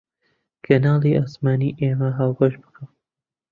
کەناڵی ئاسمانی ئێمە هاوبەش بکە